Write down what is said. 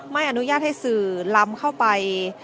ไม่อนุญาตให้สื่อล้ำเข้าไป